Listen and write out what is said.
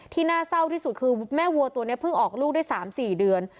น่าเศร้าที่สุดคือแม่วัวตัวนี้เพิ่งออกลูกได้๓๔เดือน